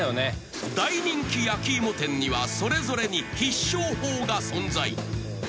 ［大人気焼き芋店にはそれぞれに必勝法が存在］